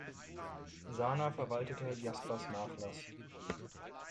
Saner verwaltete Jaspers Nachlass.